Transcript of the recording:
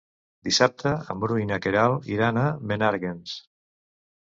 Dissabte en Bru i na Queralt iran a Menàrguens.